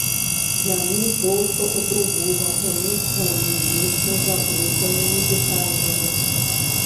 Яны проста ў трубу загоняць сваімі вечна заблытанымі пытаннямі.